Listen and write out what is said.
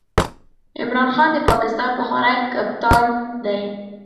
عمران خان د پاکستان پخوانی کپتان دئ.